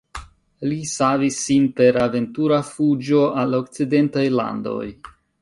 Li savis sin per aventura fuĝo al okcidentaj landoj.